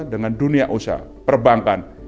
dengan dunia usaha perbankan